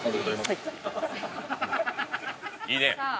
いいね。